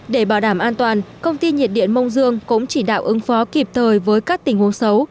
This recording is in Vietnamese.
để bảo đảm an toàn công ty nhiệt điện mông dương cũng chỉ đạo ứng phó kịp thời với các tình huống xấu